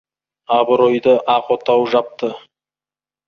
Абыройды ақ отау жапты.